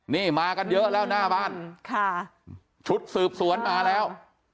นี่มากันเยอะแล้วหน้าบ้านค่ะชุดสืบสวนมาแล้ว